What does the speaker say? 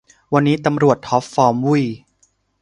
วันนี้ตำรวจท็อปฟอร์มวุ้ย